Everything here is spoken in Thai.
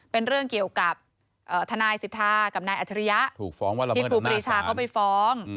เป็นเรื่องเกี่ยวกับทนายสิทธากับนายอัจฉริยะที่ครูปรีชาเขาไปฟ้อง